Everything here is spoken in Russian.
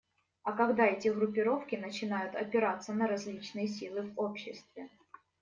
А когда эти группировки начинают опираться на различные силы в обществе?